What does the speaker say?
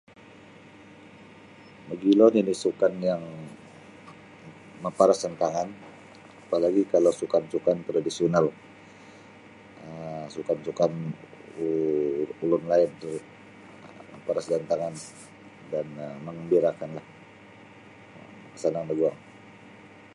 Mogilo nini' sukan yang maparas da antangan apa lagi' kalau sukan-sukan tradisional um sukan-sukan ulun laid ri maparas da antangan dan manggambirakanlah makasanang daguang.